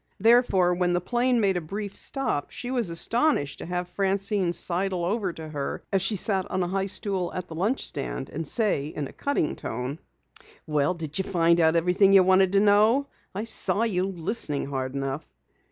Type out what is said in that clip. Therefore, when the plane made a brief stop, she was astonished to have Francine sidle over to her as she sat on a high stool at the lunch stand, and say in a cutting tone: "Well, did you find out everything you wanted to know? I saw you listening hard enough."